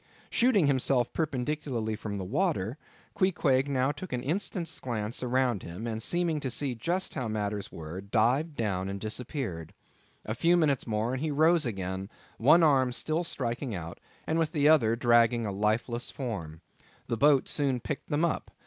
Shooting himself perpendicularly from the water, Queequeg, now took an instant's glance around him, and seeming to see just how matters were, dived down and disappeared. A few minutes more, and he rose again, one arm still striking out, and with the other dragging a lifeless form. The boat soon picked them up.